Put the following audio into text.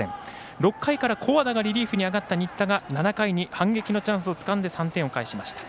６回から古和田上がったリリーフが７回に反撃のチャンスをつかんで３点を返しました。